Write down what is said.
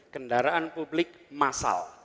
kendaraan publik massal